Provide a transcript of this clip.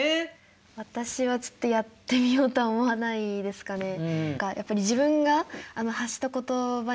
私はちょっとやってみようとは思わないですかね。